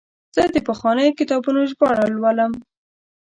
زه د پخوانیو کتابونو ژباړه لولم.